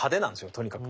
とにかく。